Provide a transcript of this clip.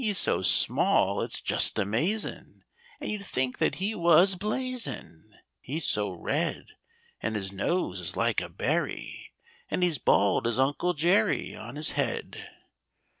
"] He's so small, it's just amazin', And you 'd think that he was blazin', He's so red; And his nose is like a berry, And he's bald as Uncle Jerry On his head.